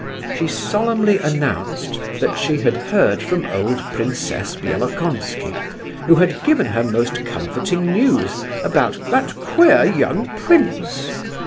She solemnly announced that she had heard from old Princess Bielokonski, who had given her most comforting news about "that queer young prince."